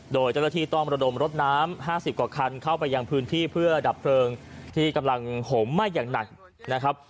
โดยเจ้าหน้าที่ต้องระดมรถน้ำ๕๐กว่าคันเข้าไปยังพื้นที่เพื่อดับเพลิงที่กำลังห่มไหม้อย่างหนักนะครับ